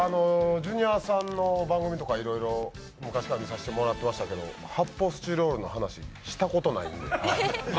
ジュニアさんの番組とかいろいろ昔から見させてもらってましたけど、発泡スチロールの話、したことないんで。